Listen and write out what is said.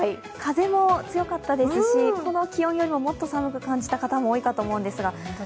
風も強かったですし、この気温よりももっと寒く感じた方も多かったと思うんですが。